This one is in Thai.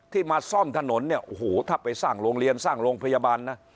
มาซ่อมถนนเนี่ยโอ้โหถ้าไปสร้างโรงเรียนสร้างโรงพยาบาลนะ